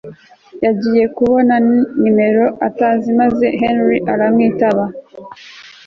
yagiye kubona ni numero atazi maze Henry aramwitaba